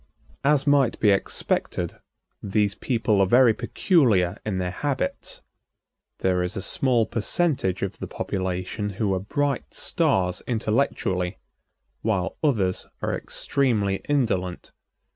As might be expected, these people are very peculiar in their habits. There is a small percentage of the population who are bright stars intellectually, while others are extremely indolent.